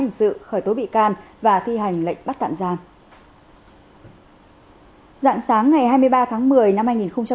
hình sự khởi tố bị can và thi hành lệnh bắt tạm giam dạng sáng ngày hai mươi ba tháng một mươi năm hai nghìn một mươi chín